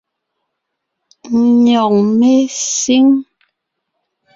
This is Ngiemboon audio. Nÿɔ́g mé síŋ.